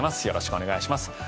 よろしくお願いします。